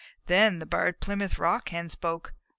Then the Barred Plymouth Rock Hen spoke.